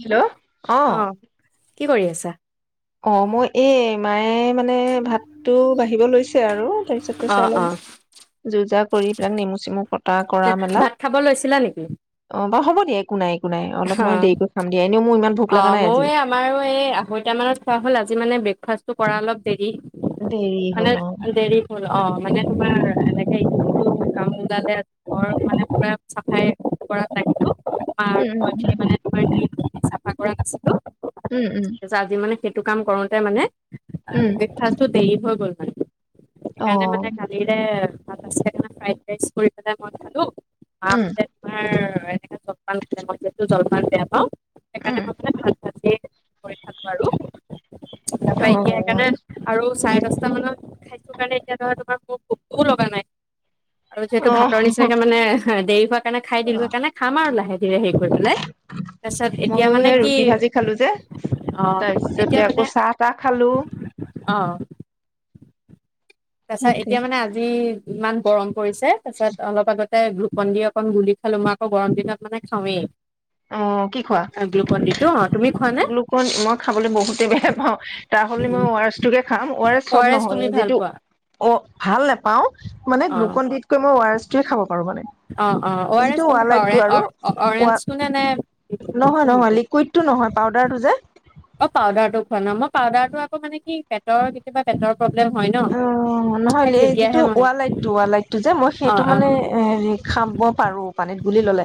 Hello অ'। কি কৰি আছা? অ', মই আই মা আই। মানে বাতটো। দিব লৈছে আৰু পিছত অ পইছা অ লম জোপ জাপ কলিতে নেমু চেমু কটা কৰা মেলা ভাত খাব লৈছিলা নেকি বাৰু হব দিয়া একো নাই নাই অলপ অ মই দেৰিকৈ খাম দিয়া এনেইও মোৰ ইমান ভোক অ লগা নাই মোৰো আজি এই আমাৰো এই আঢ়ৈটা মানত কৰা হল আজি মানে ব্ৰেকফাষ্ট টো কৰা অলপ দেৰি দেৰি মানে হ'ল অ দেৰি হল অ মানে তোমাৰ এনেকে উম, কাম ওলালে ঘৰ মানে পুৰা চাফাই কৰা টাইপটো। উম, উম। আশা কৰা নাছিলোঁ। উম উম যা দিও মানে সেইটো কাম কৰোতে মানে। উম ব্ৰেকফাষ্ট টোত। দেৰি হৈ গ'ল মানে। উম অ সেইকাৰণে মানে কালিৰে। ভাজা চিৰা কেইটামান ফ্ৰাইড ৰাইছ কৰি পেলাই মই খালো। [unintelligible] তোমাৰ [unintelligible] মই যিহেতু জলপান বেয়া পাওঁ। উম সেইকাৰণে মোৰ ভাত ভাজিয়েই। কৰি থাকো আৰু। তাৰপৰা এতিয়া উম সেইকাৰণে আৰু। চাৰে পাঁচটামানত খাই থকাৰ কাৰণে মোৰ ভোকো লগা নাই। আৰু যিহেতু অ অ মানে ভাতৰ নিচিনাকে দেৰি হোৱাৰ কাৰনে খাই দিলো সেইকাৰণে খাম আৰু লাহেধিৰে। হিয়ে হেৰি কৰি পেলাই তাৰপিছত এত মইওহে ৰুটি ভাজি খালো যে অ এতিয়া তাৰপিছতে মানে আকৌ চাহ তাহ খালো। অ তাৰপিছত সেইটোৱে এতিয়া মানে আজি। ইমান গৰম। কৰিছে তাৰপিছত অলপ আগত। তাতে গ্লুকন ডি অকন গুলি পেলাই মই আকৌ গৰম দিনত খাওৱেই। অ', কি খোৱা অ তুমি খোৱা নে গ্লুকন মই খাবলৈ বহুতেই বেয়া পাও তাৰ সলনি মই অ আৰ এছ টোকে খাম অ আৰ এছ চব নহয় যিটো। অ, ভাল নাপাওঁ। মানে, অ গ্লুকন-ডিতকৈ মই অ' আৰ এছ খাব পাৰোঁ মানে। অ, অ, অ' আৰ এছ যিটো কোনটো পাৰা ৱালাইটটো এ, আৰু অ, ৱা অৰেঞ্জটো নে? নে নহয়, নহয়, মৌচুমীটো লিকুইডটো নহয় পাউডাৰটো যে। পাউডাৰটো আকৌ মানে কি, পেটৰ কেতিয়াবা পেটৰ প্ৰব্লেম হয় ন অ, নহয় সেই লেই যিটো তেতিয়াহে মই ৱালাইট ৱালাইটটো যে, মই অ সেইটো অ মানে হেৰি খাব পাৰোঁ, পানীত ঘূলি ললে।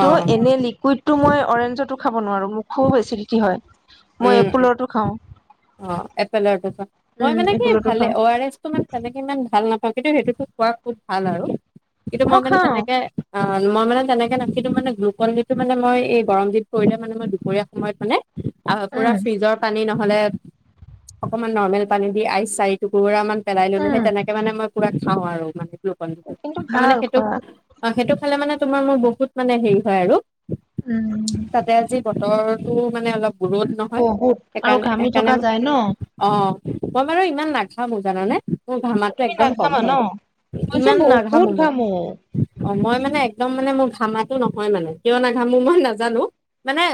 অ এনে লিকুইটটো মই অৰেঞ্জটো খা খাব নোৱাৰোঁ, মুখও হৈছে নেকি হয়। মই উম উম, এপোলৰটো খাওঁ অ, এপোলৰটো যে। মই উম মানে কি, এপোলৰটো ভালে, খাওঁ অ' আৰ এছটো তেনেকে ইমান ভাল নাপাওঁ। [unintelligible] খোৱা খুব ভাল আৰু। কিন্তু মই মানে তেনেকে অ, মই মানে তেনেকে [unintelligible] গ্লুকন - ডিটো মানে এই গৰম দিন পৰিলে মানে দুপৰীয়া সময়ত মানে, আৰু উম [unintelligible] ফ্ৰীজৰ পানী ন মানে, অকণমান নৰ্মেল পানী দি, আইচ চাৰি টুকুৰা মান পেলাই ললোঁ উম হে তেনেকে মানে মই [inaudible] গ্লুকন - ডিটো, কিন্তু তাৰমানে ভাল সেইটো, খোৱা সেইটো খালে মানে [unintelligible] বহুত মানে হেই হয় আৰু। উম, তাতে আজি বত বৰষুণও মানে অলপ ৰ'দ নহয়, বহুত আৰু সেইকাৰণে, ঘামি সেইকাৰণে থকা মানে, যায় ন? অ মই মানে ইমান নাঘামো জানা নে। মোৰ অ', ঘামাটো তুমি একদম কম নাঘামা ন? হয়। মই যে ইমান বহুত নাঘামো মই। ঘামো। অ, মই মানে একদম মানে মোৰ ঘামাটো নহয় মানে, কিয় নাঘামো মই নাজানোঁ। মানে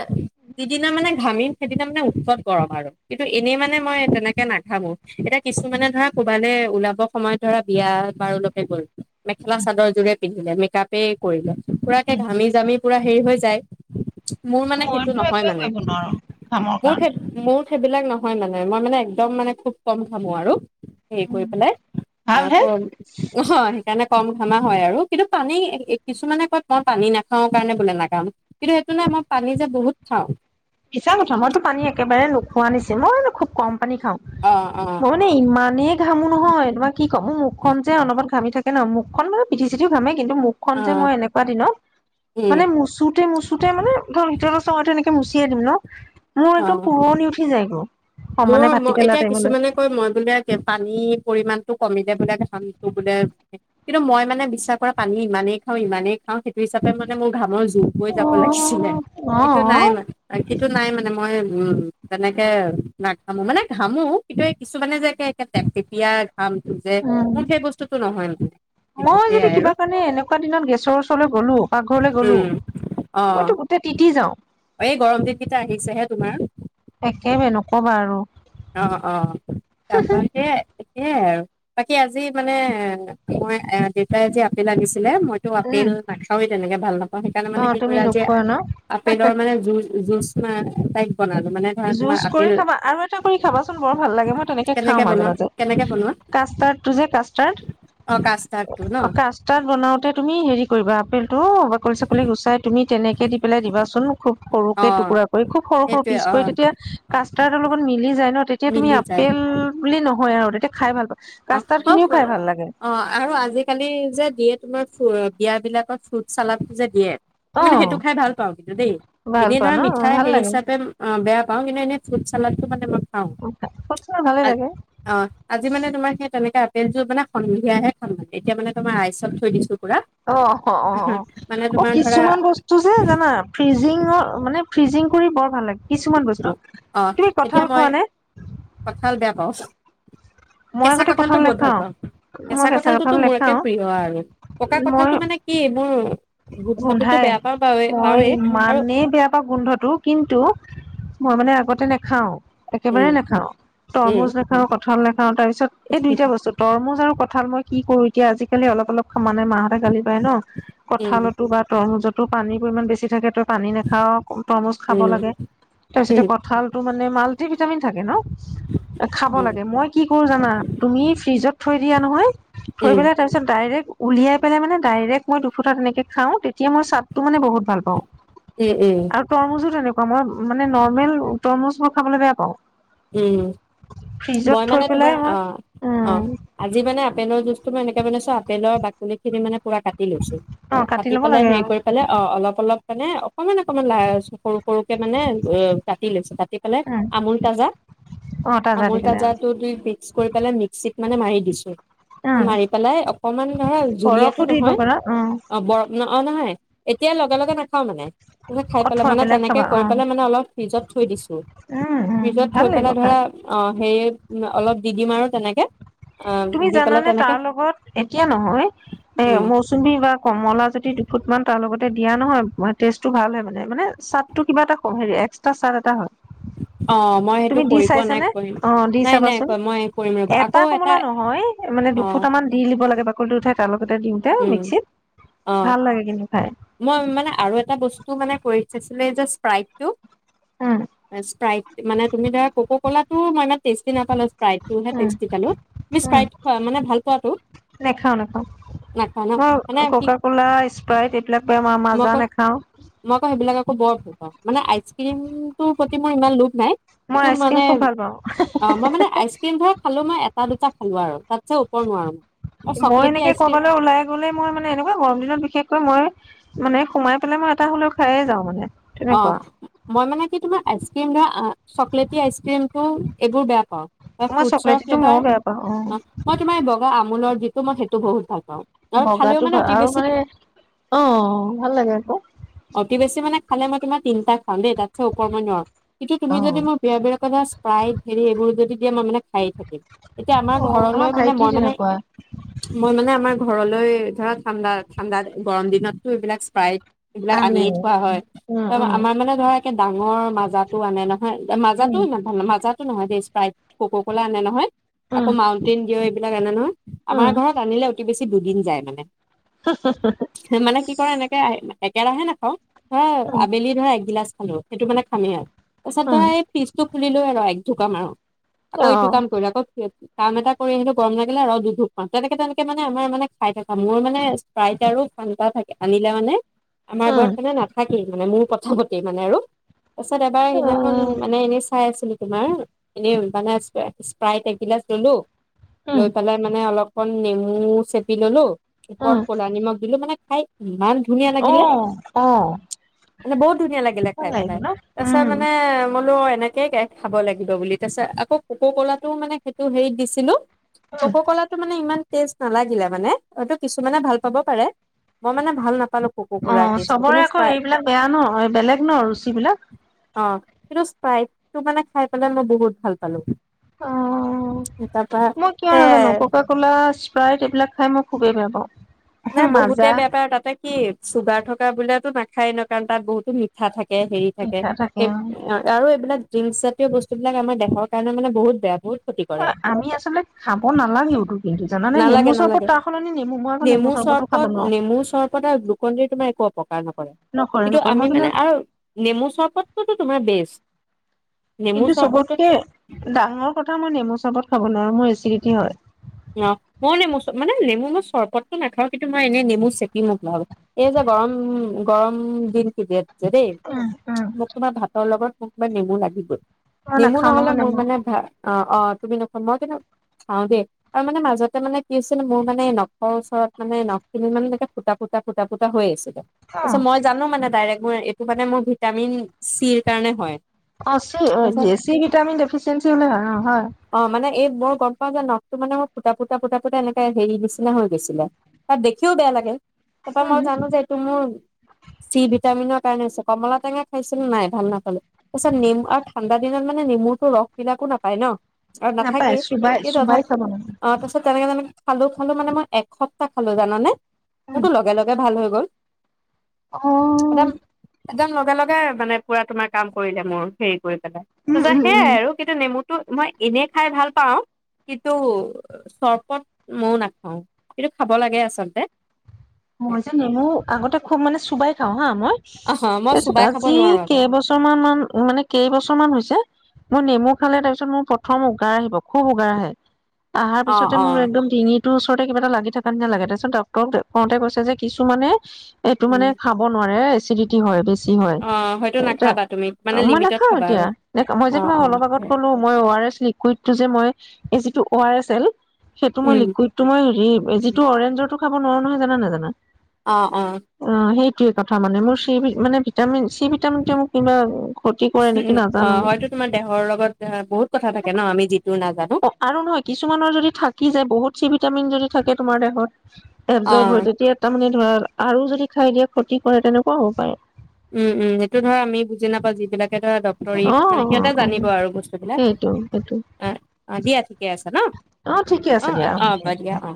যিদিনা মানে ঘামিম, সেইদিনা মানে উৎকট গৰম আৰু কিন্তু, এনেই মানে মই তেনেকে নাঘামো। এতিয়া কিছুমানে ধৰা কৰবালে ওলাব সময়ত ধৰা বিয়া বাৰু লৈকে গ'ল, মেখেলা চাদৰ যোৰে পিন্ধিলে। মেকআপে কৰিলে। পোৰা একে উম, ঘামি জামি পোৰা হেই হৈ যায়। মোৰ মানে সেইটো, নহয় মানে। অ, কামৰ মোৰ সেই কাৰণে। মোৰ সেইবিলাক নহয় মানে, মই মানে একদম মানে খুব কম ঘামো আৰু। হেই কৰি পেলে, ভালহে আকৌ, অহ সেইকাৰণে কম খানা হয় আৰু কিন্তু পানী, এ এ কিছুমানে কয় মই পানী নাখাওঁ কাৰণে বোলে নেকাম, কিন্তু সেইটো নয় মই পানী বহুত খাওঁ। মিছাকথা। মইটো পানী একেবাৰে নোখোৱা নিচিনা। মইনো খুব কম পানী খাওঁ। অ অ মই মানে ইমানেই ঘামো নহয় তোমাক কি কম, মোৰ মুখখণ যে অনবৰত ঘামি থাকে ন, মুখখন মানে পিঠি-চিঠি ঘামেই। কিন্তু মুখখন অ যে মই এনেকোৱা দিনত, মানে উম মোচোতে মোচোতে মানে [unintelligible] নেকে মোচ। য় দিমনো? মো অ একদম পোৰনি উঠি যায়গ। মোৰ ম এতিয়া কিছুমানে কয় মই বোলে কে পানীৰ পৰিমাণ তো কমিযায় বোলা দেখানি তোবোলে, কিন্তু মই মানে বিশ্বাস কৰা, পানী ইমানেই খাওঁ, ইমানেই খাওঁ সেইটো হিচাপে মানে মোৰ ঘামৰ উবৈ যাব লাগিছিলে। অ', কিটো নাই অ', মানে কিটো নাই মানে মই উম। তেনেকে নাঘামো মানে ঘামো। কিন্ত্তয়ে কিছুমানে যে একে টেপটেপিয়া অ। মানে সেইটো মই যদি সেইয়াই আৰু কিবা কাৰনে এনেকুৱা দিনত গেছৰ ওচৰলৈ গলো, পাকঘৰলৈ গলো, উম অ মইটো গোটে তিতি যাওঁ। এই গৰম দিকিতা আহিছেহে তোমাৰ। একেবাৰে নকবা আৰু অঁ, অঁ। টাপা সেয়াই সেয়াই আৰু তাকে আজি মানে মই এ দেতাই আজি আপেল আনিছি নাই, মইত উম আপেল নাখাৱেই। এনেকে ভাল না মই সেইকাৰণে অ মানে কি তুমি কৰিলো আজি আ নোখোৱা ন আপেলৰ মানে জু জুচ না [unintelligible] জুচ কৰি থবা আৰু এটা খাবাচোন বৰভাল লাগে মই তেনেকে কেনেকে খাওঁ মাজে বনোৱা মাজে। কেনেকে বনোৱা কাষ্টাৰ্ডটো যে কাষ্টাৰ্ড, অ কাষ্টাৰ্ডটো ন কাষ্টাৰ্ড বনাওঁতে তুমি হেৰি কৰিবা আপেল অঁ, বাকলি চাকলি গুচাই তুমি তেনেকে দিপেলাই দিবাচোন মোক খুব অ সৰুকে টুকুৰা কৰি খুব সৰু সৰু সেইটোৱে পিছ অ হৈ তেতিয়া কাষ্টাৰ্ডৰ লগত মিলি যায় ন তেতিয়া তুমি মিলি যায় আপেল ব্লিন হয়আও তেতিয়া খায় ভাল পা অ কাষ্টাৰ্ড অ খিনিও খাই পৰা। ভাল লাগে অঁ, আৰু আজিকালি যে দিয়ে তোমাৰ ফুল বিয়া বিলাকত ফ্ৰুট চালাড যে দিয়ে, অ মমানে সেইটো খাই ভাল পাওঁ কিন্তু দেই। ভাল এনেই পোৱা ধৰা ন অ মিঠাই ভাল লাগে হেইহিচাপে অ বেয়া অ' এনে এনে ফুড চালাদটো মানে মই খাও ফৰ্চুনা ভালে লাগে অ আজি মানে তোমাৰ তেনেকে আপেলযোৰ মানে সন্ধিয়াহে খাম এতিয়া মানে তোমাৰ আইচত থৈ দিছো। পুৰা অ' মানে অ' তোমাৰ ধৰা কিছুমান বস্তু যে জানা ফ্ৰিজিঙৰ মানে ফ্ৰিজিং কৰি বৰ ভাল লাগে। কিছুমান বস্তু অ তুমি এতিয়া কঠাল মই খোৱা নে? মই কেচা আগতে কঠালটো কঁঠাল বহুত ভাল নেখাও পাও মই কেচা কেঁচা কঠালটোটো কঁঠাল মোৰ একে নেখাও প্ৰিয় আৰু পকা কঠালটো মানে কি মোৰ গোন্ধটোতো গন্ধায় বেয়া পাওঁ পাৱে মই পাওঁৱেই আৰু ইমানেই বেয়া পাও গন্ধটো কিন্তু, মই মানে আগতে নেখাও একেবাৰে উম নেখাও তৰমুজ উম নেখাও কঠাল ঠলে আ তাৰ পিছত এই দুইটা বস্তুই তৰমুজ খাও কঠাল মই কি কৰো এতিয়া আজিকালি অলপ অলপ মানে মাহতে গালি পাৰে ন। উম! তৰমুজটো পানীটো ইমান বেছি থাকে তই, পানী নেখাও তৰমুজ খাব উম লাগে তই যদি উম কঠালটো মানে মাল্টিভিটামিন থাকে ন খাব উম লাগে মই কি কৰো জানা তুমি ফ্ৰিজত থৈ দিয়া নহয় থৈ উম পেলে তাৰ পিছত ডাইৰেক্ট, উলিয়াই পেলে মানে ডাইৰেক্ট মই দুখুতা তেনেকে, খাও তেতিয়া মই চাল, টো মানে বহুত ভাল পাও উম উম আৰু তৰমুজো তেনেকুৱা মই মানে নৰ্মেল তৰমুজো খাবলে বেয়া পাও। উম মই থৈ মানে পেলাই তোমাৰ অ মই অ উম আজি মানে আপেলৰ জুচ টো মই এনেকে বনাইছো আপেলৰ বাকলিখিনি মানে পুৰা কাটি লৈছো অ কাটি ল'ব পেলে লাগে হেৰি আৰু কৰি পেলে অ অলপ অলপ, মানে অ অকমান অকমান বাচ সৰু সৰুকে মানে উম কাটি লৈছো কাটি পেলে উম আমুল তাজা অ তাজা আমুল দি পেলাই অ তাজাটো দি মিক্স কৰি পেলে মিক্সিত, মানে মাৰি দিছো উম মাৰি পেলায় অকমান নহয় জুলীয়াটো বৰফো দিব নহয় পাৰা অ' বৰফ, অ নহয় এতিয়া লগে লগে নাখাও মানে, তুমি খাই অ পেলে থৈ মানে পেলাই তেনেকে খাবা অ কৰি পেলে মানে অলপ, ফ্ৰিজত থৈ দিছো। উম ফ্ৰিজত উ থৈ পেলে ধৰা অ হেৰি অলপ দিগি মাৰো তেনেকে, [unintelligible] তুমি দি জানা পেলাই নে, তাৰ তেনেকে লগত এতিয়া নহয় এ উম মৌচুমী বা কমলা যদি দুফুট মান তাৰ লগত দিয়া নহয় মানে [unintelligible] টেষ্ট টো ভাল হয় মানে, মানে চাত টো কিবা এটা হেৰি এক্সট্ৰা চাত এটা হয়। অ' মই হেইটো তুমি দি কৰি পোৱা নাই, চাইছানে কৰিম। অ দি নাই নাই [unintelligible] মই কৰিম ৰ'বা, আকৌ এটা হয়, মানে অ দুফুটা মান দি দিব লাগে বাকলি টো উঠাই তাৰলগতে দিওঁতে উম মিক্সিত, অ ভাল লাগে কিন্তু। [unintelligible] মই মানে আৰু এটা বস্তু মানে কৰি চাইছিলোঁ, এ যে [unintelligible] উম টো। স্প্ৰাইট, মানে তুমি তাৰ কোকা-ক'লা টো মানে টেষ্টি নাপালোঁ যে স্প্ৰাইট টো হে উম টেষ্টি পালোঁ, তুমি উম, স্প্ৰাইট খোৱা মানে ভাল পোৱা টো? নাখাও নাখাও। নাই খোৱা ন মানে আও মই মাজা আকৌ নাখাওঁ। মই আকৌ সেইবিলাক আকৌ বৰ ভাল মানে আইচক্ৰীম টোৰ প্ৰতি মোৰ ইমান লোভ নাই। মই কিন্তু আইচক্ৰীম মানে খুব ভাল পাওঁ। অ' মই মানে আইচক্ৰীম বোৰ খালেও মই এটা-দুটা খালোঁ আৰু তই ওপৰৰ মাল। মই এনেকে ক'বালে ওলাই গ'লে, মই মানে এনেকুৱা গৰম দিনত বিশেষকৈ মই মানে সোমাই পেলাই মই এটা হ'লেওঁ খাইয়ে যাওঁ মানে। অ' তেনেকুৱা। মই মানে কি তোমাৰ আইচক্ৰীম বা চকলেটি আইচক্ৰীম টো এইবোৰ বেয়া পাওঁ বা মই ফ্ৰুইটছৰ চকলেটীটো মইও ফ্লেভাৰ, বেয়া পাওঁ অ' মই তোমাৰ এই বগা আমূলৰ কিন্তু, মই সেইটো বহুত ভাল পাওঁ আৰু বগা খালেও টো মানে [unintelligible] অতি আৰু বেছি মানে, অ' ভাল লাগে আকৌ। অতি বেছি মানে খালে মই তোমাৰ তিনিটা খাওঁ দেই, তাটছে উপৰ মই নোৱাৰোঁ। এতিয়া তুমি যদি অ' মোৰ [unintelligible] কৰা, স্প্ৰাইট হেৰী এইবোৰ যদি তেতিয়া মই মানে, খাইয়ে থাকিম। এতিয়া আমাৰ অ' ঘৰলৈ আমাৰ মানে ভাইটি মই মানে, তেনেকুৱা মই মানে আমাৰ ঘৰ ঘৰলৈ ধৰা ঠাণ্ডা ঠাণ্ডাত, গৰম দিনত টো এইবিলাক স্প্ৰাইট এইবিলাক আনে। আনিয়েই থোৱা হয়। উম, উম, আমাৰ মানে ধৰা একে ডাঙৰ মাজা টো আনে ন। হয় মাজা উম, টো ইমান ভাল নহয়। মাজা টো নহয় দেই স্প্রাইট, কোকা-ক'লা আনে নহয়। আকৌ উম, মাউণ্টেন ডিউ এই এইবিলাক আনে নহয়। আমাৰ উম, ঘৰত আনিলে অতি বেছি দুদিন যায় মানে। মানে কি কৰে এনেকে আ একেৰাহে নাপাওঁ। অ', উম, আবেলি ভাগ এক গিলাচ হেল্লো, সেইটো মানে খামেই আৰ। পিছত উম, সেই পিচটোত খুলিলোঁ আৰু থূকা মাৰক আকৌ ইটো অ'। কাম কৰিলা। আকৌ কাম এটা কৰি আহিলে গৰম লাগিলে ৰওঁ দুই ঘণ্টা মান। তেনেকে তেনেকে মানে আমাৰ মানে খাই থাকা হয়। মই মানে স্প্ৰাইট আৰু ফন্টা থা আনিলে মানে আমাৰ উম, ঘৰত কোনো নাখাই কৰিবলে মোৰ কথাগোটে মানে আৰু পাছত এবাৰ উম, সিদিনাখন মানে এনে খাই আছিলোঁ তোমাৰ। এনে মানে স্পা-স্প্ৰাইট এগিলাচ ল'লো উম, লৈ পেলাই মানে অলপ কণ নেমু চেপি ল'লো, উপৰত উম, কলা নিমখ দিলো। মানে খাই ইমান ধুনীয়া লাগিলে। অ', অ'। মানে বহুত ধুনীয়া লাগিলে খাই লাগিব পেলায়। ন তাৰপিছে উম মানে ম‌ই বোলো নেকেই কেক খাব লাগিব বুলি। তাৰ পিছে আকৌ কোকো-কোলাটো মানে সেইটো হেৰিত দিছিলো। কোকো-কোলাটো মানে ইমান টেষ্ট নালাগিলে মানে। হয়তো কিছুমানে ভাল পাব পাৰে। মই মানে ভাল নাপালোঁ। অ', সবৰে আকৌ হেৰি বিলাক বেয়া ন, বেলেগ ন ৰুচি বিলাক। অহ'। কিন্তু স্প্ৰাইটটো মানে খাই পেলাই মই বহুত ভাল পালোঁ। অহহ'। মই কিয় নাজানো, সেয়াই কোকা-কোলা, স্প্ৰাইট এইবিলাক খাই মই খুবেই বেয়া পাওঁ। পুৰা বহুতে মাজা বেয়া পায় আৰু তাতে চুগাৰ থকা বিলাকতো নাখায় ন কাৰণ তাত বহুতো মিঠা থাকে কে হেৰি থাকে। এই, আৰু এইবিলাক ড্ৰিংকছ জাতীয় বস্তুবিলাক আমাৰ দেহৰ কাৰণে মানে বহুত বেয়া। বহুত ক্ষতি কৰে অ', আমি আচলতে খাব নালাগে এইটো কিন্তু জানানে? নেমু নালাগে চৰবত নালাগে তাৰ সলনি নেমু ম‌ই নেমু চৰ্বত, নেমু চৰ্বতত গ্লুকন-ডিৰ তোমাৰ [inaudible] কাৰ নপৰে? নকৰে কিন্তু নকৰে মই আমি মানে আৰু নেমু চৰ্বতটোতো তোমাৰ বেষ্ট। নেমু কিন্তু চৰবতটো সবতকে ডাঙৰ কথা, মই নেমু চৰ্বত খাৱ নোৱাৰোঁ মোৰ এচিডিটি হয়। অ মইনেমু চপ মানে নেমু মই চৰবতটো নাখাওঁ কিন্তু মই এনে নেমু চেপি মোক ভাল এইযে গৰম গৰম দিনটো যে যদি উম উম মোক তোমাৰ ভাতৰ লগত মোক বা নেমু লাগিবই মই নেমু নাখাও নহলে নহয় মোক নেমু মানে ভাত অত অ তুমি নোখোৱা মই কিন্তু খাওঁদে আৰু মাজতে মনে কি আছিলে মোৰ মানে নখৰ ওচৰত মানে নখখিনি মানে ফুটা ফুটা ফুটা ফুটা হৈ আছিল অ আচ্ছা মই জানো মানে ডাইৰেক্ট মোৰ এইটো মানে মোৰ ভিটামিন চিৰ কাৰণে হয় আছিল তাৰপিছত জেছি ভিটামিন দেফিছেঞ্চি হলে হয় অ হয় অ মানে এই মই গমপাওঁ যে নাকটো মানে মোৰ ফুটা ফুটা ফুটা ফুটা এনেকে হেই নিচিনা হৈ গৈছিলে বাট দেখিও বেয়া লাগে তাৰপৰা মই উম জানো যে এইটো মোৰ চি ভিটামিনত উপায় নাই পিছে কমলা টেঙা খাইছিলোঁ নাই ভাল নাপালোঁ তাৰপিছত নেমু আৰু ঠাণ্ডাদিনত মানে নেমুটো ৰস বিলাকো নাপাই ন [unintelligible] নাপায় চোবাই চোবাই খাব লাগে খালোঁ খালোঁ মানে মই একসপ্তাহ খালোঁ জানানে মোৰটো লগে লগে ভাল হৈ গল অ একদম [unintelligible] উম উম [unintelligible] [unintelligible] [unintelligible] [unintelligible] অ মই চোবাই খাব নোৱাৰো আকৌ [unintelligible] আহাৰ অ পিচতে অ মোৰ একদম ডিঙি ওচৰতে কিবা এটা লাগি থকা নিচিনা লাগে। তাৰপিচত ডক্তৰক দে [unintelligible] [unintelligible] [inaudible] উম অ হয়তো নাখাবা তুমি মানে মই লিমিটত নেখাও খাবা আৰু এতিয়া মই যে অ তোমাক অ অলপ আগতে কলো মই বেয়ে আৰ এছ [unintelligible] [unintelligible] একো উম খাৱ নোৱাৰো নহয়। জানান নাজানা? অ' অ' সেই কথা মানে মোৰ চি মানে ভিটামিন চি ভিটামিন টোৱে মোক ইমান - ক্ষতি কৰে নেকি উম, অ নাজানো হয়তো তোমাৰ দেহৰ লগত আহ, বহুত কথা থাকে ন আমি যিটো নাজানো অ' আৰু নহয় কিছুমানৰ যদি থাকি যায় বহুত চি ভিটামিন যদি থাকে তোমাৰ দেহত অ চব হয় তেতিয়া তাৰ মানে ধৰা আৰু যদি খাই দিয়া ক্ষতি কৰে তেনেকুৱাও হ'ব পাৰে। উম, উম, এইটো ধৰা আমি বুজি নাপাওঁ যিবিলাক [unintelligible] অ মানে অ সিহঁতে অ জানিব আৰু বস্তুবিলাক সেইটো সেইটো অ', দিয়া ঠিকে আছে ন? অ ঠিকে আছে অ', অ', অ', দিয়া অ'।